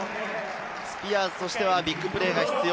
スピアーズとしてはビッグプレーが必要。